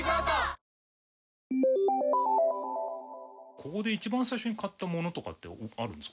ここで一番最初に買ったものとかってあるんですか？